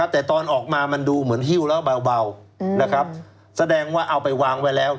แต่ตอนออกมามันดูเหมือนหิ้วแล้วเบาแสดงว่าเอาไปวางไว้แล้ว